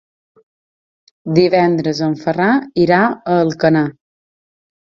Divendres en Ferran irà a Alcanar.